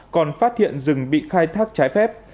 còn phát hiện rừng bị khai thác trái phép